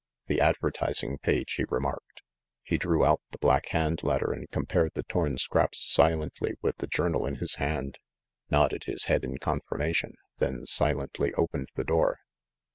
"The advertising page," he remarked. He drew out the Black Hand letter and compared the torn scraps silently with the journal in his hand, nodded his head in confirmation, then silently opened the door.